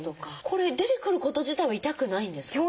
これ出てくること自体は痛くないんですか？